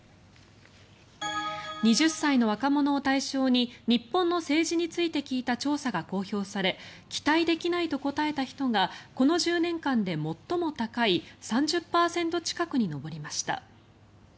２０歳の若者を対象に日本の政治について聞いた調査が公表され期待できないと答えた人がこの１０年間で最も高い３０％近くに上りました。